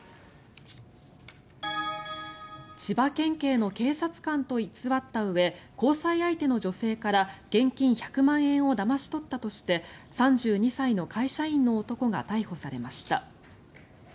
千葉県警の警察官と偽ったうえ交際相手の女性から現金１００万円をだまし取ったとして３２歳の会社員の男が逮捕されました。